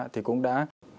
thì cũng đã